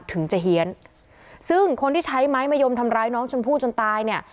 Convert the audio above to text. ถึงจะเฮียนซึ่งคนที่ใช้ไม้มะยมทำร้ายน้องชมพู่จนตายเนี่ย